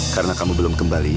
karena kamu belum kembali